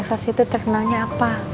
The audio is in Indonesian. disana tuh terkenalnya apa